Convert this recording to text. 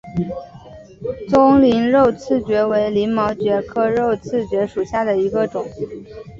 棕鳞肉刺蕨为鳞毛蕨科肉刺蕨属下的一个种。